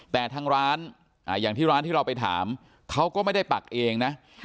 แต่ทางร้านอย่างที่ร้านที่เราไปถามเขาก็ไม่ได้ปักเองนะ